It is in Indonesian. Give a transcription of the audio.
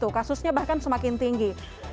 kasusnya bahkan semakin tinggi